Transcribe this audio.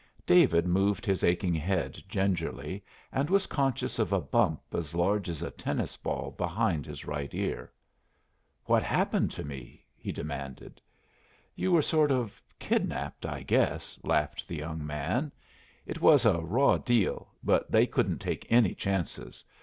David moved his aching head gingerly, and was conscious of a bump as large as a tennis ball behind his right ear. "What happened to me?" he demanded. "You were sort of kidnapped, I guess," laughed the young man. "It was a raw deal, but they couldn't take any chances.